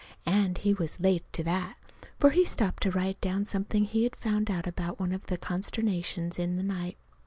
And he was late to that, for he stopped to write down something he had found out about one of the consternations in the night.